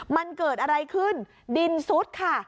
มันเกิดอะไรขึ้นดินซุดค่ะ